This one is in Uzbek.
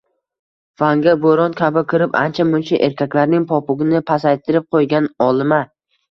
Fanga bo‘ron kabi kirib, ancha-muncha erkaklarning popugini pasaytirib qo‘ygan olima